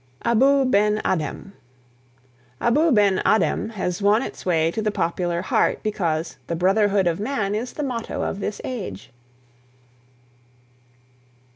ABOU BEN ADHEM. "Abou Ben Adhem" has won its way to the popular heart because the "Brotherhood of Man" is the motto of this age.